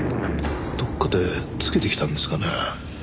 どっかで付けてきたんですかね？